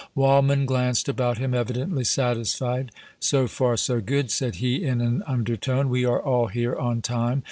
Waldmann glanced about him, evidently satisfied. "So far so good," said he, in an undertone. "We are all here on time.